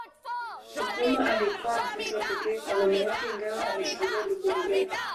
Nkurumah alikuwa mtoto wa pekee kwa mama yake Ingawa alichangia ndugu wengine